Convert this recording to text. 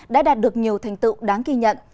đã đạt được nhiều thành tựu đáng kỳ nhận